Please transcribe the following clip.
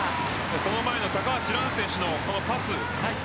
その前の高橋藍選手のパス